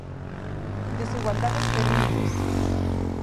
Desigualdades ferintes.